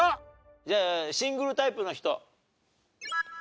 じゃあシングルタイプの人。